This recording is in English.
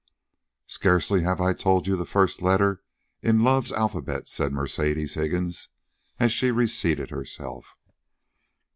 "Scarcely have I told you the first letter in love's alphabet," said Mercedes Higgins, as she reseated herself.